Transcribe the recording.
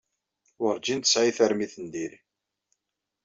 Werǧin tesɛi tarmit n diri.